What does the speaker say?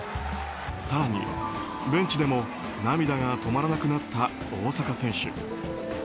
更に、ベンチでも涙が止まらなくなった大坂選手。